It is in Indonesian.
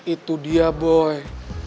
itu dia boy